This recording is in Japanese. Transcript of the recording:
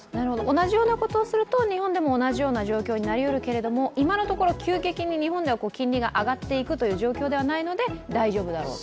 同じようなことをすると日本でも同じようになるかもしれないけど今のところ急激に日本では金利が上がっていく状況ではないので大丈夫だろうと。